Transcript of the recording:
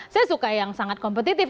saya suka yang sangat kompetitif